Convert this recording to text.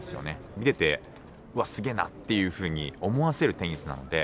見てて、わっ、すげーなっていうふうに思わせるテニスなので。